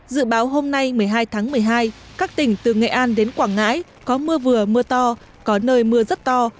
dự báo hôm nay một mươi hai tháng một mươi hai các tỉnh từ nghệ an đến quảng ngãi có mưa vừa mưa to có nơi mưa rất to